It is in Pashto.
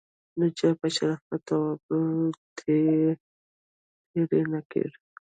د چا په شرافت او ابرو دې تېری نه کیږي.